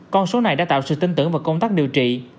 con số này đã tạo sự tin tưởng vào công tác điều trị